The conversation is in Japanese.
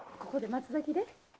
松崎で。